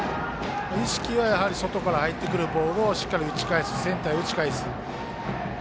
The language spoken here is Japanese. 意識は外から入ってくるボールをしっかりセンターへ打ち返す。